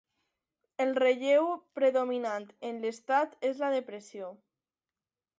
El relleu predominant en l'estat és la depressió.